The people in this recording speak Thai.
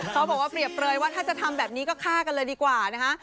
เขาบอกว่าเปรียบเปลยว่าถ้าจะทำแบบนี้ก็ฆ่ากันเลยดีกว่านะคะ